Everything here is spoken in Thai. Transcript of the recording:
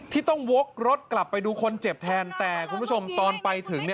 ที่ต้องวกรถกลับไปดูคนเจ็บแทนแต่คุณผู้ชมตอนไปถึง